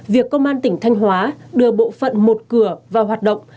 việc công an tỉnh thanh hóa đưa bộ phận một cửa vào hoạt động